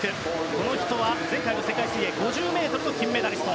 この人は前回の世界水泳５０ｍの金メダリスト。